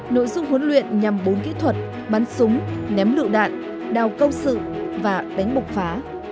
nội dung huấn luyện nhằm bốn kỹ thuật bắn súng ném lựu đạn đào câu sự và đánh bục phá